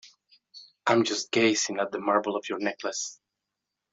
I'm just gazing at the marble of your necklace.